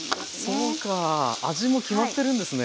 そうかあ味も決まってるんですね。